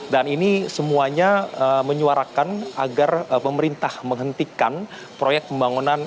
dan ini semuanya menyuarakan agar pemerintah menghentikan proyek pembangunan